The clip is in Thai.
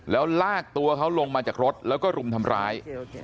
แล้วลากตัวเขาลงมาจากรถแล้วก็รุมทำร้าย